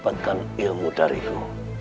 mendapatkan ilmu dari ku